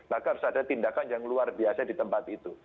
maka harus ada tindakan yang luar biasa di tempat itu